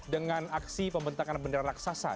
dengan aksi pembentakan bendera raksasa